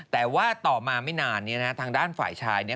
แต่ว่าต่อมาไม่นานทางด้านฝ่ายชายเนี่ย